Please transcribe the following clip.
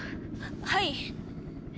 はい。